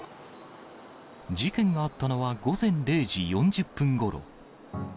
事件があったのは、午前０時４０分ごろ。